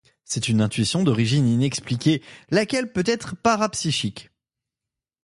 C'est une intuition d'origine inexpliquée, laquelle peut être parapsychique.